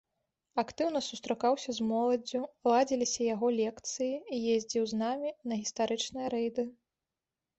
Актыўна сустракаўся з моладдзю, ладзіліся яго лекцыі, ездзіў з намі на гістарычныя рэйды.